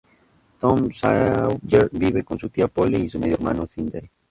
Tom Sawyer vive con su tía Polly y su medio hermano, Sidney.